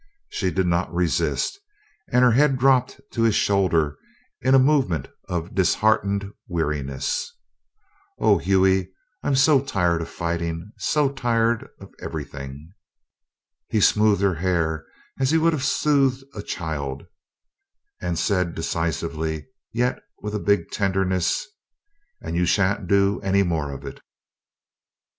She did not resist, and her head dropped to his shoulder in a movement of disheartened weariness. "Oh, Hughie I'm so tired of fighting so tired of everything." He smoothed her hair as he would have soothed a child, and said decisively yet with a big tenderness: "And you shan't do any more of it!"